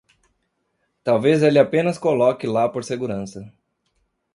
Talvez ele apenas coloque lá por segurança.